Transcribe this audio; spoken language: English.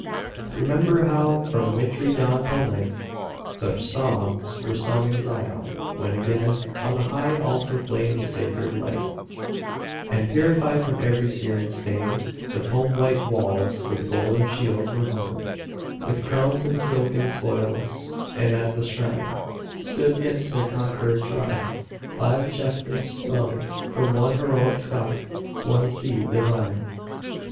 Remember how from wintry dawn till night, Such songs were sung in Zion, when again On the high altar flamed the sacred light, And, purified from every Syrian stain, The foam white walls with golden shields were hung, With crowns and silken spoils, and at the shrine, Stood, midst their conqueror tribe, five chieftains sprung From one heroic stock, one seed divine.